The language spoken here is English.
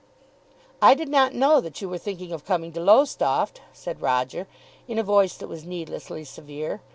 "I did not know that you were thinking of coming to Lowestoft," said Roger in a voice that was needlessly severe.